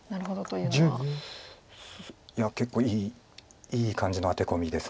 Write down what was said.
いや結構いい感じのアテコミです。